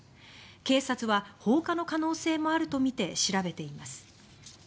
警察は放火の可能性もあるとみて調べています。